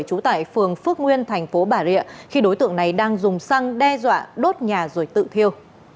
trú tại phường phước nguyên thành phố bà rịa khi đối tượng này đang dùng xăng đe dọa đốt nhà rồi tự thiêu